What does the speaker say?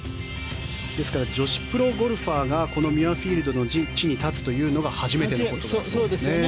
ですから、女子プロゴルファーがミュアフィールドの地に立つのが初めてのことですもんね。